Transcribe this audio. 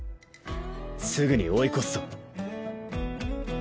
すぐに追い越すぞ。